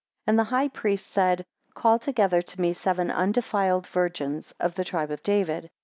2 And the high priest said, Call together to me seven undefiled virgins of the tribe of David.